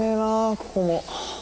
ここも。